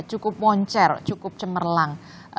cukup moncer cukup cemerlang